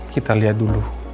kita lihat dulu